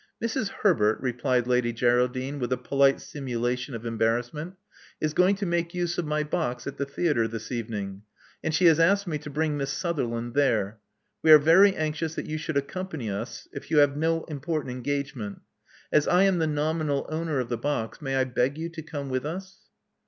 Mrs. Herbert," replied Lady Geraldine, with a polite simulation of embarrassment, is going to make use of my box at the theatre this evening; and she has asked me to bring Miss Sutherland there. We are very anxious that you should accompany us, if you have no important engagement. As I am the nominal owner of the box, may I beg you to come with us."